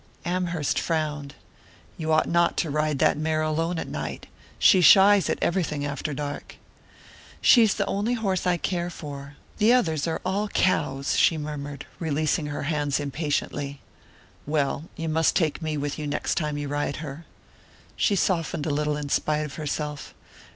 Amherst frowned. "You ought not to ride that mare alone at night. She shies at everything after dark." "She's the only horse I care for the others are all cows," she murmured, releasing her hands impatiently. "Well, you must take me with you the next time you ride her." She softened a little, in spite of herself.